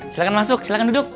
silahkan masuk silahkan duduk